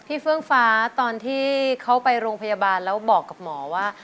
เฟื่องฟ้าตอนที่เขาไปโรงพยาบาลแล้วบอกกับหมอว่า